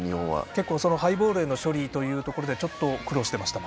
結構ハイボールの処理ということで苦労していました。